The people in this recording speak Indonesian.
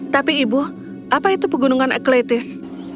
tapi ibu apa itu pegunungan aklaitis